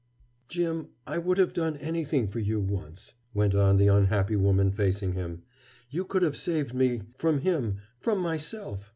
"Jim, I would have done anything for you, once," went on the unhappy woman facing him. "You could have saved me—from him, from myself.